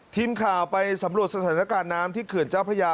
ทีมข่าวไปสำรวจสถานการณ์น้ำที่เขื่อนเจ้าพระยา